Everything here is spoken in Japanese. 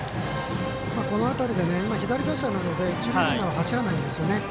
この辺りで今左打者なので一塁ランナー走らないんですよね。